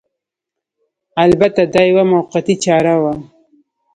البته دا یوه موقتي چاره وه